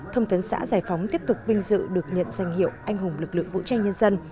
thông tấn xã giải phóng tiếp tục vinh dự được nhận danh hiệu anh hùng lực lượng vũ trang nhân dân